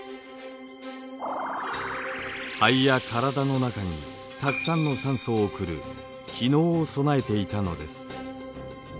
肺や体の中にたくさんの酸素を送る気のうを備えていたのです。